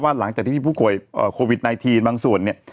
หลังจากที่ผู้ป่วยโควิด๑๙บางส่วนเนี่ย